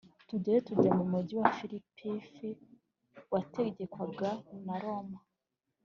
tuvayo tujya mu mugi wa filipif wategekwaga na roma